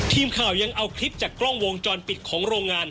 ทีมข่าวยังเอาคลิปจากกล้องวงจรปิดของโรงงาน